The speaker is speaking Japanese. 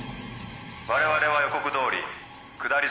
我々は予告どおり下り